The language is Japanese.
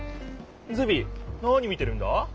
ズビ何見てるんだ？